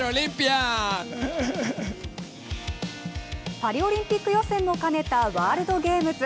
パリオリンピック予選も兼ねたワールドゲームズ。